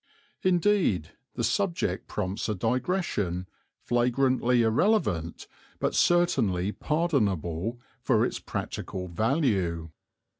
Indeed, the subject prompts a digression, flagrantly irrelevant, but certainly pardonable for its practical value.